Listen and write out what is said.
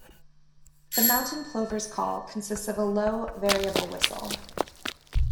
The mountain plover's call consists of a low, variable whistle.